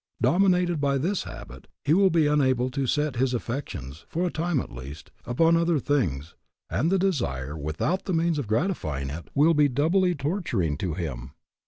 Dominated by this habit, he will be unable to set his affections, for a time at least, upon other things, and the desire, without the means of gratifying it will be doubly torturing to him.